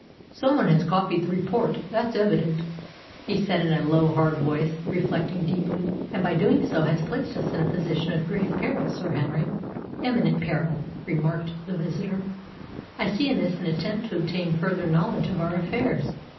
"Some one has copied the report that's evident," he said in a low, hard voice, reflecting deeply. "And by so doing has placed us in a position of grave peril, Sir Henry imminent peril," remarked the visitor. "I see in this an attempt to obtain further knowledge of our affairs.